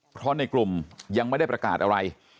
เพราะในกลุ่มยังไม่ได้ประกาศอะไร